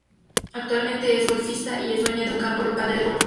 Actualmente es golfista y es dueña de un campo local de deporte.